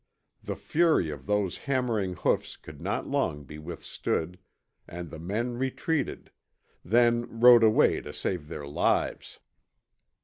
The fury of those hammering hoofs could not long be withstood, and the men retreated then rode away to save their lives.